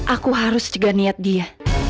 aku harus jaga niat dia